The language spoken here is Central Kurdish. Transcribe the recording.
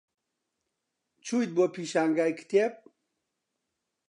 چوویت بۆ پێشانگای کتێب؟